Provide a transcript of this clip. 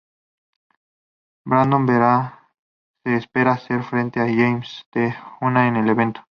Brandon Vera se espera hacer frente a James Te-Huna en el evento.